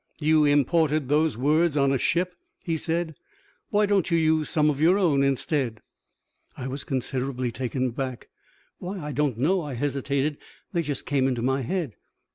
"You imported those words on a ship," he said. "Why don't you use some of your own instead?" I was considerably taken aback. "Why, I don't know," I hesitated. "They just came into my head."